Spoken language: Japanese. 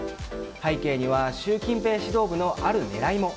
背景には習近平指導部のある狙いも。